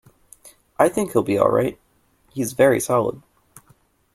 I think he’ll be all right. He’s very solid.